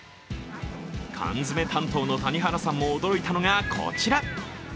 缶詰担当の谷原さんも驚いたのがこちら。